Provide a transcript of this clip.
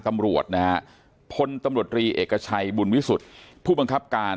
ตำรวจนะฮะพลตำรวจรีเอกชัยบุญวิสุทธิ์ผู้บังคับการ